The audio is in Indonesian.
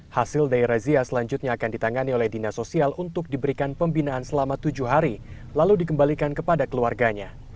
hasil dari razia selanjutnya akan ditangani oleh dina sosial untuk diberikan pembinaan selama tujuh hari lalu dikembalikan kepada keluarganya